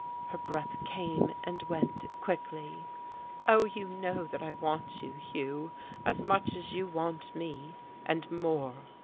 Her breath came and went quickly. "Oh, you know that I want you, Hugh, as much as you want me, and more.